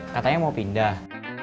katanya mau pindah